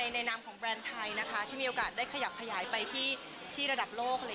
นามของแบรนด์ไทยนะคะที่มีโอกาสได้ขยับขยายไปที่ระดับโลก